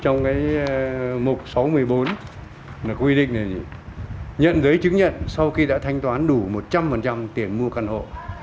trong mục sáu mươi bốn quy định này nhận giấy chứng nhận sau khi đã thanh toán đủ một trăm linh tiền mua căn hộ